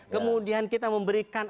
kemudian kita memberikan